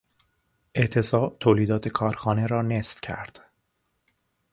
اعتصاب تولیدات کارخانه را نصف کرد.